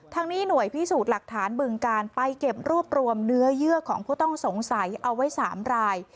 นี้หน่วยพิสูจน์หลักฐานบึงการไปเก็บรวบรวมเนื้อเยื่อของผู้ต้องสงสัยเอาไว้๓ราย